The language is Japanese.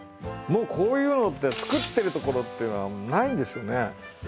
もうこういうのって作ってるところっていうのはないんですよね？